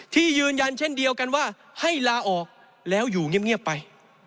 ยืนยันเช่นเดียวกันว่าให้ลาออกแล้วอยู่เงียบไป